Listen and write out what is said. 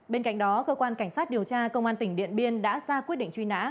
bên cạnh đó cơ quan cảnh sát điều tra công an tỉnh điện biên đã ra quyết định truy nã